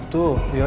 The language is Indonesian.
ya udah yang nunggu